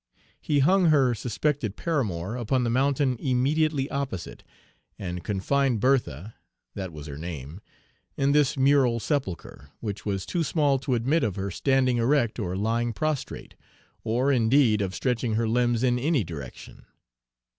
He hung her suspected paramour upon the mountain immediately opposite, and confined Bertha that was her name in this mural sepulchre, which was too small to admit of her standing erect or lying prostrate, or, indeed, of stretching her limbs in any direction.